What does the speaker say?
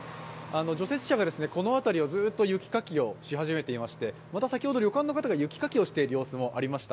除雪車がこの辺りをずっと雪かきをし始めていてまた先ほど旅館の方が雪かきをしている様子もみられました。